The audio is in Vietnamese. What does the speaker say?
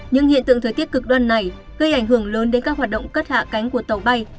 những hiện tượng thời tiết cực đoan này gây ảnh hưởng lớn đến các hoạt động cất hạ cánh của tàu bay